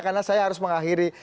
karena saya harus mengakhiri